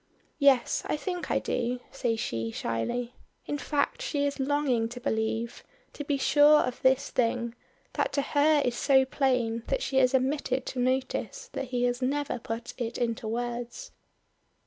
"Yes, I think I do," says she shyly. In fact she is longing to believe, to be sure of this thing, that to her is so plain that she has omitted to notice that he has never put it into words.